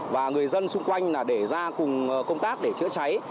và người dân xung quanh là để ra cùng công tác để chữa cháy